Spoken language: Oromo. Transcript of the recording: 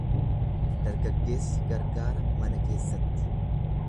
Dargaggeessi gargaara mana keessatti.